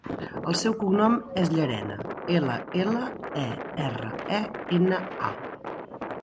El seu cognom és Llerena: ela, ela, e, erra, e, ena, a.